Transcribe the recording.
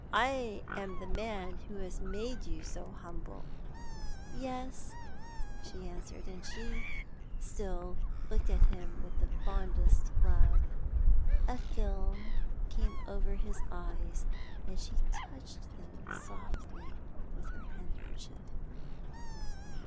I am the man who has made you so humble." "Yes," she answered, and still she looked at him with the fondest love. A film came over his eyes, and she touched them softly with her handkerchief.